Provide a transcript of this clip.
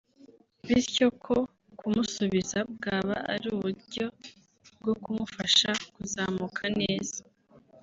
bityo ko kumusibiza bwaba ari uburyo bwo kumufasha kuzamuka neza